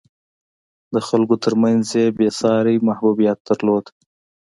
د خلکو ترمنځ یې بېساری محبوبیت درلود.